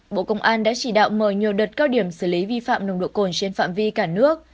bộ công an đã chỉ đạo mở nhiều đợt cao điểm xử lý vi phạm nồng độ cồn trên phạm vi cả nước